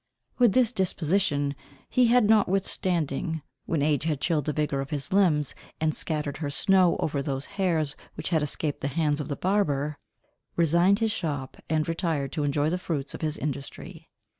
With this disposition, he had notwithstanding, when age had chilled the vigour of his limbs, and scattered her snow over those hairs which had escaped the hands of the barber, resigned his shop, and retired to enjoy the fruits of his industry.